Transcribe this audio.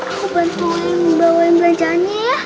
aku bantuin bawa belanjaannya ya